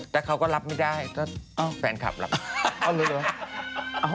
แต่เขาก็รับไม่ได้แฟนคลับรับไม่ได้